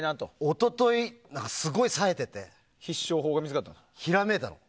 一昨日、すごいさえていてひらめいたの。